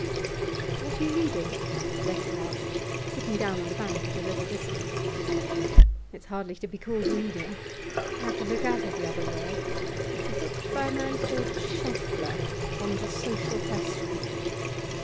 'What are you reading?' Letty asked, sitting down on the bank at a little distance. 'It's hardly to be called reading. I have to look out every other word. It's a book by a man called Schaeffle, on the "Social Question."